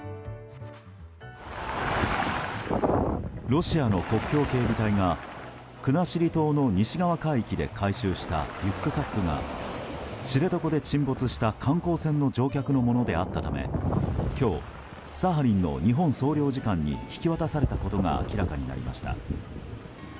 ロシアの国境警備隊が国後島の西側海域で回収したリュックサックが知床で沈没した観光船の乗客のものであったため今日、サハリンの日本総領事館に引き渡されたことが明らかになりました。